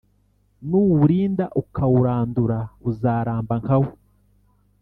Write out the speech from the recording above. nuwurinda ukawurandura uzaramba nkawo